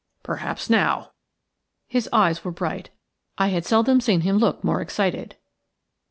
Perhaps now." His eyes were bright. I had seldom seen him look more excited.